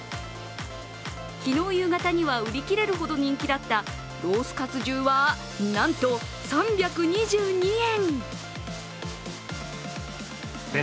昨日夕方には、売り切れるほど人気だったロースかつ重は、なんと３２２円。